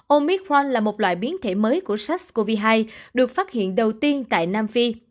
omicron là một loại biến thể mới của sars cov hai được phát hiện đầu tiên tại nam phi